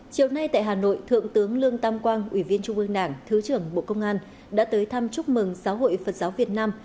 chiều nay tại hà nội thượng tướng lương tam quang ủy viên trung ương đảng thứ trưởng bộ công an đã tới thăm chúc mừng giáo hội phật giáo việt nam